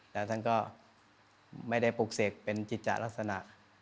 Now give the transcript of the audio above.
แล้วท่านก็ไม่ได้ปลูกเสกเป็นจิตจะลักษณะ